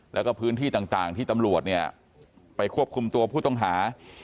แล้วก็พื้นที่ต่างที่ตำรวจเนี่ยไปควบคุมตัวผู้ต้องหา